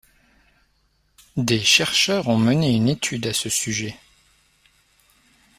Des chercheurs ont mené une étude à ce sujet.